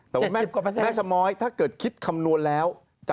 เมื่อกว่าเปรอเปอร์แม่ชะม้อยถ้าเกิดคิดคำนวณแล้ว